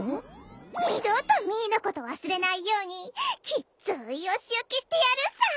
二度とミーのこと忘れないようにきっついお仕置きしてやるさ。